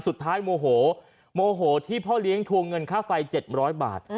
สุดท้ายโมโหโมโหที่พ่อเลี้ยงทวงเงินค่าไฟเจ็ดร้อยบาท